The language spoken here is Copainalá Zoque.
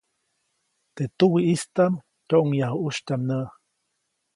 Teʼ tuwiʼistaʼm tyoʼŋyaju ʼusytyaʼm näʼ.